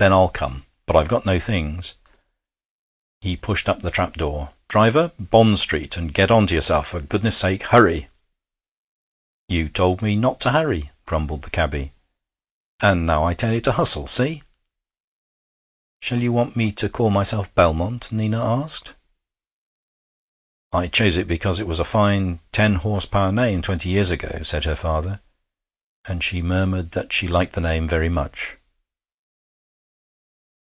'Then I'll come. But I've got no things.' He pushed up the trap door. 'Driver, Bond Street. And get on to yourself, for goodness' sake! Hurry!' 'You told me not to hurry,' grumbled the cabby. 'And now I tell you to hustle. See?' 'Shall you want me to call myself Belmont?' Nina asked. 'I chose it because it was a fine ten horse power name twenty years ago,' said her father; and she murmured that she liked the name very much.